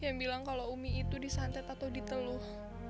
yang bilang kalau umi itu disantet atau diteluh